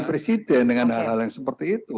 presiden dengan hal hal yang seperti itu